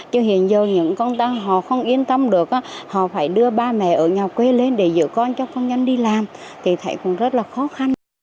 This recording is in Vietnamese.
chứ hiện giờ những con tăng họ không yên tâm được họ phải đưa ba mẹ ở nhà quê lên để giữ con cho công nhân đi làm thì thấy cũng rất là khó khăn